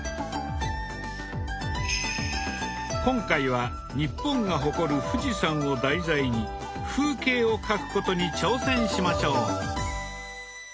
今回は日本が誇る富士山を題材に風景を描くことに挑戦しましょう。